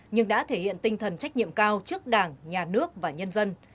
nhưng đã thể hiện tinh thần trách nhiệm cao trước đảng nhà nước và nhân dân